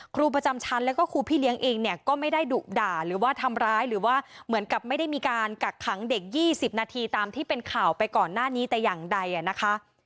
ครูประจำชั้นแล้วก็ครูพี่เลี้ยงเองเนี่ยก็ไม่ได้ดุด่าหรือว่าทำร้ายหรือว่าเหมือนกับไม่ได้มีการกักขังเด็ก๒๐นาทีตามที่เป็นข่าวไปก่อนหน้านี้แต่อย่างใดนะคะ